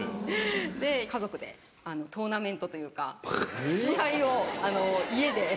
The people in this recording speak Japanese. で家族でトーナメントというか試合を家で。